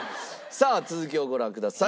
さあ続きをご覧ください。